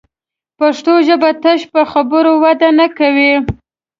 پښتو ژبه تش په خبرو وده نه کوي